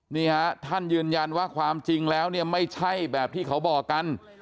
นี่ฮะท่านยืนยันว่าความจริงแล้วเนี่ยไม่ใช่แบบที่เขาบอกกัน